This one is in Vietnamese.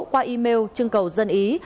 qua email trưng cầu dân ý